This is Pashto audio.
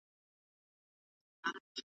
له آمو تر اباسینه وطن غواړو `